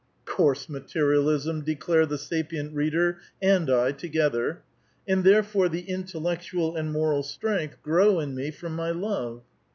("Coarse materialism!" declare the sapient reader and I together.) "And there fore the intellectual and moral strength grow in me from my love."